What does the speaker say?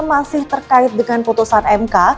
masih terkait dengan putusan mk